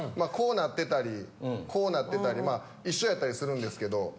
こうなってたりこうなってたりまあ一緒やったりするんですけど。